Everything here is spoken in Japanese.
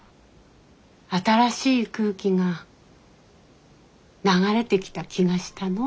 新しい空気が流れてきた気がしたの。